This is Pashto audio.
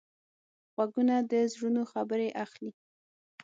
غوږونه د زړونو خبرې اخلي